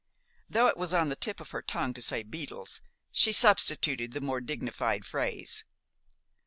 Though it was on the tip of her tongue to say "beetles," she substituted the more dignified phrase.